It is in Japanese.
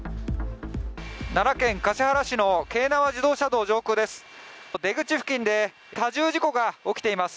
奈良県橿原市の京奈和自動車道上空です。